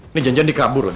ini janjian dikabur loh